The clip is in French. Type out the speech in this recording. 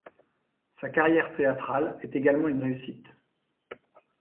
Sa carrière théâtrale est également une réussite.